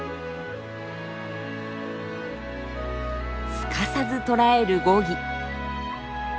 すかさず捕らえるゴギ。